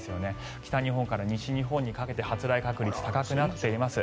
北日本から西日本にかけて発雷確率が高くなっています。